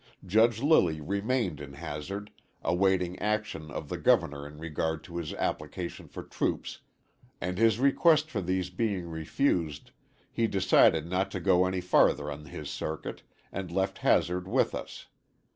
Judge Lilly remained in Hazard, awaiting action of the Governor in regard to his application for troops, and his request for these being refused, he decided not to go any farther on his circuit, and left Hazard with us.